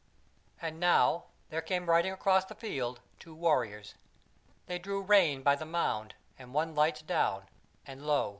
And now there come riding across the field two warriors. They draw rein by the mound, and one lights down, and lo!